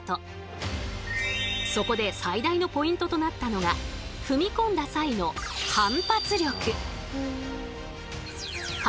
そこで最大のポイントとなったのが踏み込んだ際の反発力！